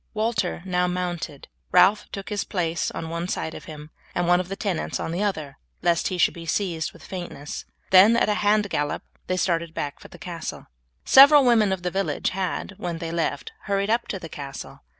Walter now mounted; Ralph took his place on one side of him, and one of his tenants on the other, lest he should be seized with faintness; then at a hand gallop they started back for the castle. Several women of the village had, when they left, hurried up to the castle.